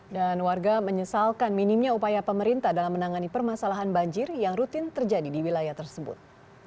warga menyesalkan minimnya upaya pemerintah dalam menangani permasalahan banjir yang rutin terjadi di wilayah tersebut